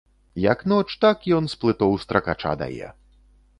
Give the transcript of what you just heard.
Як ноч, так ён з плытоў стракача дае.